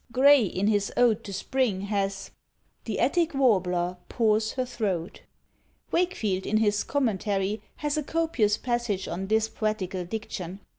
Gray, in his "Ode to Spring," has The Attic warbler POURS HER THROAT. Wakefield in his "Commentary" has a copious passage on this poetical diction.